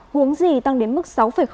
huống gì tăng đến mức sáu tám